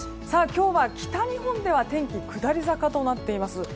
今日は北日本では天気下り坂となっています。